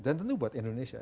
dan tentu buat indonesia